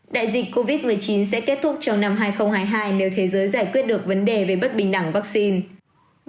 đại dịch covid một mươi chín sẽ kết thúc trong năm hai nghìn hai mươi hai nếu thế giới giải quyết được vấn đề về bất bình đẳng vaccine